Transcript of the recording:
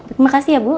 terima kasih ya bu